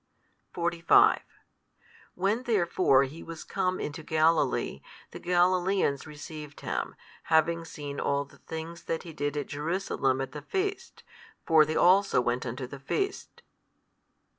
45 When therefore He was come into Galilee, the Galileans received Him, having seen all the things that He did at Jerusalem at the feast; for they also went unto the feast.